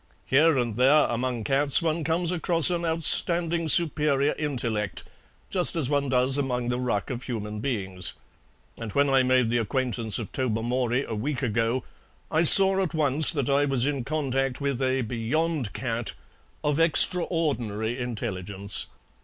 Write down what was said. Here and there among cats one comes across an outstanding superior intellect, just as one does among the ruck of human beings, and when I made the acquaintance of Tobermory a week ago I saw at once that I was in contact with a 'Beyond cat' of extraordinary intelligence.